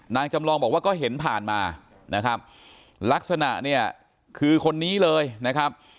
จำลองบอกว่าก็เห็นผ่านมานะครับลักษณะเนี่ยคือคนนี้เลยนะครับ